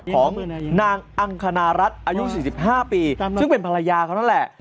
ของนางอังคณรัฐอายุ๔๕ปีซึ่งเป็นภรรยาเขานั่นแหละ